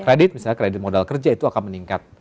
kredit misalnya kredit modal kerja itu akan meningkat